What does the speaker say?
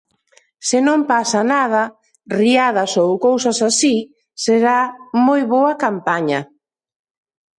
Senón pasa nada, riadas ou cousas así, será moi boa campaña.